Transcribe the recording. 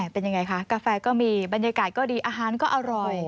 เป็นยังไงคะกาแฟก็มีบรรยากาศก็ดีอาหารก็อร่อย